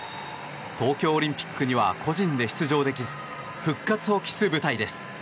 東京オリンピックでは個人で出場できず復活を期す舞台です。